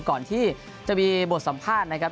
ก่อนที่จะมีบทสัมภาษณ์นะครับ